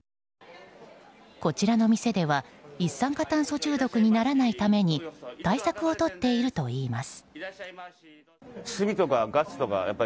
こちらの店では一酸化炭素中毒にならないために対策をとっているといいます。